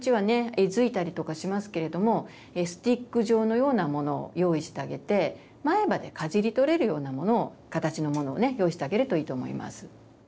えずいたりとかしますけれどもスティック状のようなものを用意してあげて前歯でかじり取れるようなものを形のものをね用意してあげるといいと思います。